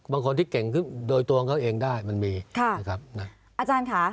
บางคนที่เก่งขึ้นโดยตัวของเขาเองได้มันมีค่ะนะครับนะอาจารย์ค่ะ